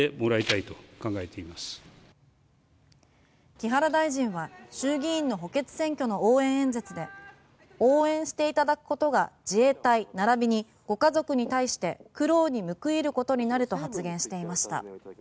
木原大臣は衆議院の補欠選挙の応援演説で応援していただくことが自衛隊並びにご家族に対して苦労に報いることになると発言していました。